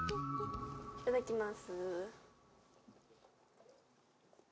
いただきます。